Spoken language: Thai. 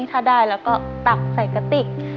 ถ้าได้แล้วก็ตักใส่กระติก